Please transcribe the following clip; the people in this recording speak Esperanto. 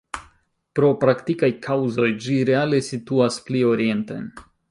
Pro praktikaj kaŭzoj ĝi reale situas pli orienten.